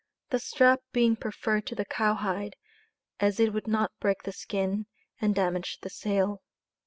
The strap being preferred to the cow hide, as it would not break the skin, and damage the sale.